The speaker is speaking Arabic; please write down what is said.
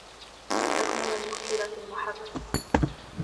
تكمن المشكلة في المحرك.